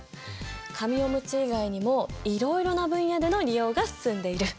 紙オムツ以外にもいろいろな分野での利用が進んでいる。